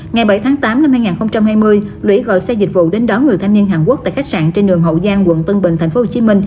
ngày bảy tháng tám năm hai nghìn hai mươi lũy gọi xe dịch vụ đến đón người thanh niên hàn quốc tại khách sạn trên đường hậu giang quận tân bình tp hcm